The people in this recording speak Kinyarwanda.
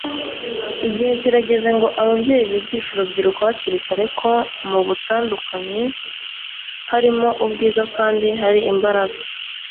igihe kirageze ngo ababyeyi bigishe urubyiruko hakiri kare ko mu butandukanye harimo ubwiza kandi hari imbaraga